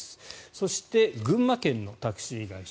そして、群馬県のタクシー会社。